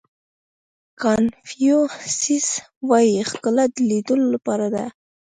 کانفیو سیس وایي ښکلا د لیدلو لپاره ده.